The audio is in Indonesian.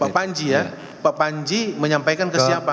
pak panji ya pak panji menyampaikan ke siapa